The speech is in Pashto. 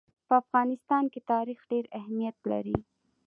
په افغانستان کې تاریخ ډېر اهمیت لري.